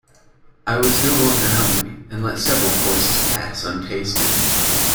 I was no longer hungry, and let several courses pass untasted.